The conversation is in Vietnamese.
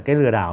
cái lừa đảo